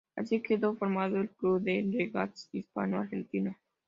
Así quedó formado el Club de Regatas Hispano Argentino.